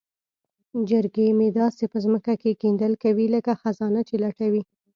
چرګې مې داسې په ځمکه کې کیندل کوي لکه خزانه چې لټوي.